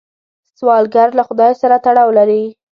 سوالګر له خدای سره تړاو لري